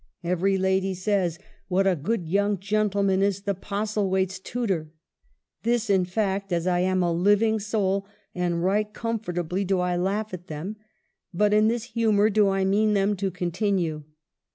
Every lady says, 'What a good young gentleman is the Postlethwaites' tutor.' This is fact, as I am a living soul, and right comfortably do I laugh at them ; but in this humor do I mean them to con tinue.